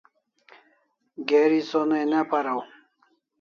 Geri sonai ne paraw